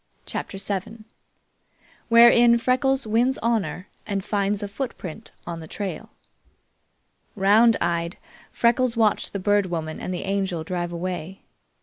CHAPTER VII Wherein Freckles Wins Honor and Finds a Footprint on the Trail Round eyed, Freckles watched the Bird Woman and the Angel drive away.